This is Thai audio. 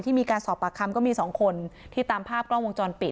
มีการสอบปากคำก็มีสองคนที่ตามภาพกล้องวงจรปิด